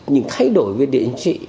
những thay đổi về địa chỉ